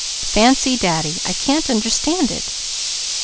Fancy Daddy! I can't understand it."